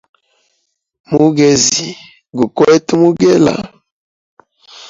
Mugezi gu kwete mugela.